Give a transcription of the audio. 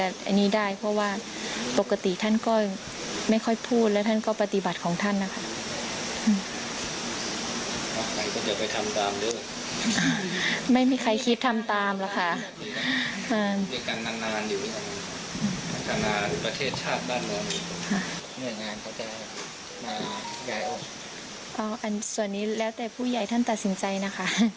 อันนี้แล้วแต่ผู้ใหญ่ท่านตัดสินใจนะคะ